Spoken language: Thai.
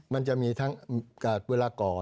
มันจะมีทั้งเวลาก่อน